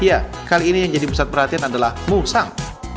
iya kali ini yang jadi pusat perhatian adalah musang